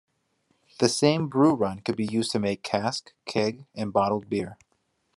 The same brew run could be used to make cask, keg, and bottled beer.